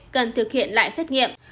cần thực hiện lại xét nghiệm